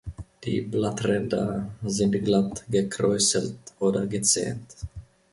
Die Blattränder sind glatt, gekräuselt oder gezähnt.